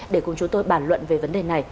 để cùng chúng tôi bản luận về vấn đề này